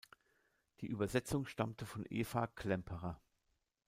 Die Übersetzung stammte von Eva Klemperer.